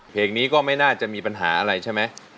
เพลงนี้ก็ไม่น่าจะมีปัญหาอะไรใช่ไหม